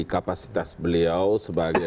kapasitas beliau sebagai sopir